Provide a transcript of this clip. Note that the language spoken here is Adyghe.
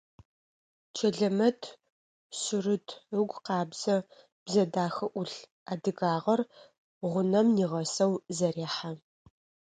Чэлэмэт шъырыт, ыгу къабзэ, бзэ дахэ ӏулъ, адыгагъэр гъунэм нигъэсэу зэрехьэ.